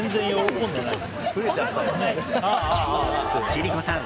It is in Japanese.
千里子さん